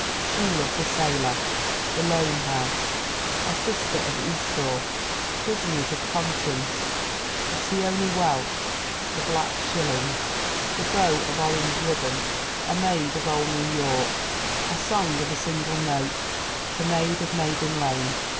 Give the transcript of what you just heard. She Loved a Sailor. The Lone House. A Sister of Esau. Prisoners of Conscience. The Tioni Whelp. The Black Shilling. The Bow of Orange Ribbon. 312 THE WOMEN WHO MAKE OUR NOVELS A Maid of Old New York. A Song of a Single Note. The Maid of Maiden Lane.